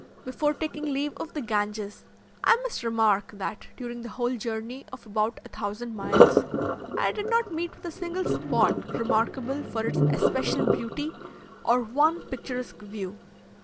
Before taking leave of the Ganges, I must remark that, during the whole journey of about a thousand miles, I did not meet with a single spot remarkable for its especial beauty, or one picturesque view.